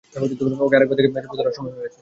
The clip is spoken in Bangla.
ওকে আরেকবার চেপে ধরার সময় হয়েছে।